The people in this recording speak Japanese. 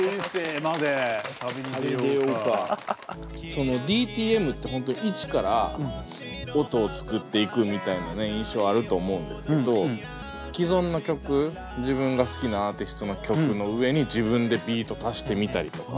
そのＤＴＭって本当一から音を作っていくみたいな印象あると思うんですけど既存の曲自分が好きなアーティストの曲の上に自分でビート足してみたりとか。